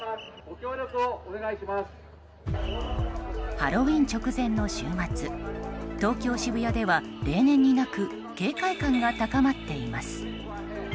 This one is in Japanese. ハロウィーン直前の週末東京・渋谷では例年になく警戒感が高まっています。